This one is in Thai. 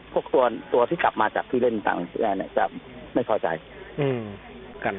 พวกตัวตัวที่กลับมาจากที่เล่นดันตรงตีแก่เนี้ยจะไม่พอใจอืม